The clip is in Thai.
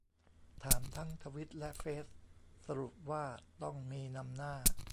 ถามทั้งทวิตและเฟซ สรุปว่า ต้องมี นำหน้า